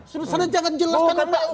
sudah sudah jangan jelaskan upaya itu